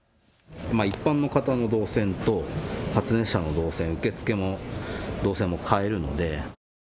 一般の方の動線と発熱者の動線、受付の動線も変えるので。